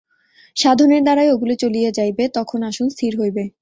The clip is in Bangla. সাধনের দ্বারাই ওগুলি চলিয়া যাইবে, তখন আসন স্থির হইবে।